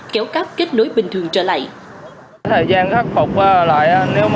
kéo cáp kết nối bình thường trở lại